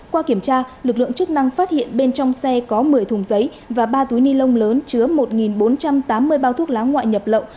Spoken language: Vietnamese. qua kiểm tra lực lượng chức năng phát hiện bên trong xe có một mươi thùng giấy và ba túi ni lông lớn chứa một bốn trăm tám mươi bao thuốc lá ngoại nhập lậu